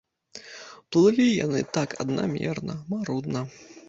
Плылі яны так аднамерна, марудна.